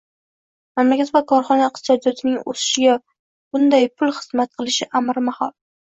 Mamlakat va korxona iqtisodiyotining o‘sishiga bunday pul xizmat qilishi amri mahol.